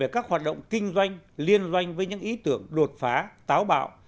các hoạt động kinh doanh liên doanh với những ý tưởng đột phá táo bạo